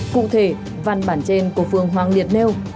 cụ thể văn bản trên của phường hoàng liệt nêu